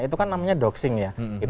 itu kan namanya doxing ya